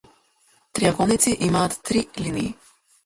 Триаголници имаат три линии.